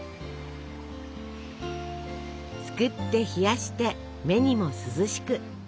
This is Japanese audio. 作って冷やして目にも涼しく。